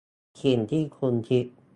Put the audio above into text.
สิ่งที่คุณคิด